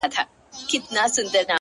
چي ورته ځېر سومه-